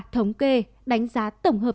thống kê đánh giá tổng hợp